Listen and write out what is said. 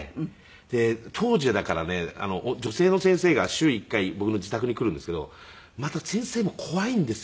当時はだからね女性の先生が週１回僕の自宅に来るんですけどまた先生も怖いんですよ。